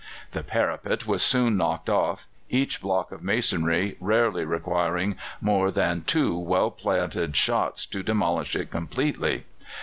The parapet was soon knocked off, each block of masonry rarely requiring more than two well planted shots to demolish it completely.